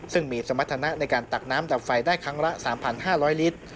ซึ่งมีสมรรถนะในการตักน้ำดับไฟได้ครั้งละ๓๕๐๐ลิตร